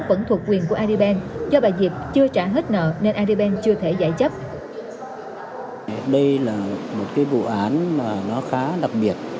vẫn thuộc quyền của adipen do bà diệp chưa trả hết nợ nên adipen chưa thể giải chấp